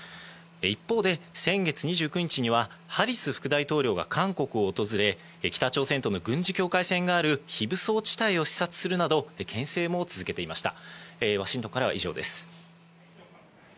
一方で、先月２９日にはハリス副大統領が韓国を訪れ、北朝鮮との軍事境界線がある非武装地帯を視察するなど、けん制も続けていました。